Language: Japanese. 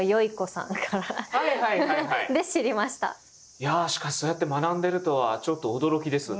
いやしかしそうやって学んでるとはちょっと驚きです。